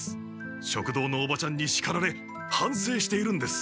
食堂のおばちゃんにしかられはんせいしているんです。